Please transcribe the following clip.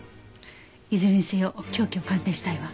いずれにせよ凶器を鑑定したいわ。